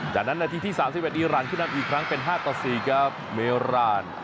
ดังนั้นนาทีที่๓๘อิราณขึ้นนำอีกครั้งเป็น๕๔กับเมราน